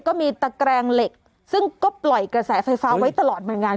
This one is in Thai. ก็มีตะแกรงเหล็กซึ่งก็ปล่อยกระแสไฟฟ้าไว้ตลอดมาอย่างงาน